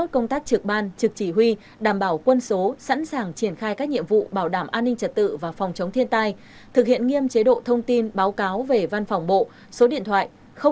các nhiệm vụ bảo đảm an ninh trật tự và phòng chống thiên tai thực hiện nghiêm chế độ thông tin báo cáo về văn phòng bộ số điện thoại sáu mươi chín hai trăm ba mươi bốn một nghìn bốn mươi hai chín trăm một mươi ba năm trăm năm mươi năm ba trăm hai mươi ba